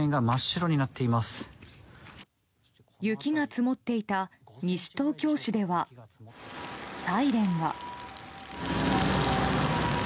雪が積もっていた西東京市ではサイレンが。